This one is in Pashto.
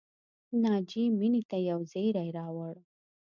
ناجیې مینې ته یو زېری راوړ